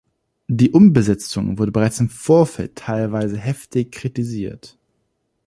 Die Umbesetzung wurde bereits im Vorfeld teilweise heftig kritisiert.